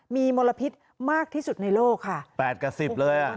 มีมลพิษมากที่สุดในโลกค่ะ๘กับสิบเลยอ่ะ